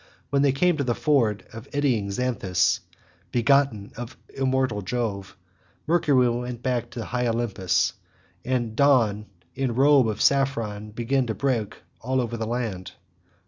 When they came to the ford of eddying Xanthus, begotten of immortal Jove, Mercury went back to high Olympus, and dawn in robe of saffron began to break over all the land.